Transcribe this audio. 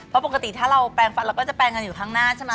เพราะปกติถ้าเราแปลงฟันเราก็จะแปลงกันอยู่ข้างหน้าใช่ไหม